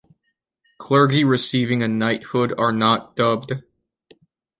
Clergy receiving a knighthood are not dubbed.